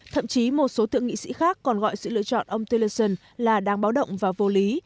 thậm chí một số thượng nghị sĩ khác còn gọi sự lựa chọn ông teleson là đáng báo động và vô lý